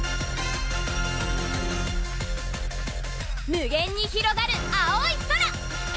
無限にひろがる青い空！